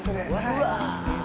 うわ。